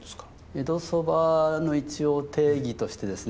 江戸蕎麦の一応定義としてですね